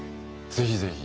ぜひぜひ。